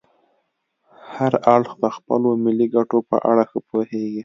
هر اړخ د خپلو ملي ګټو په اړه ښه پوهیږي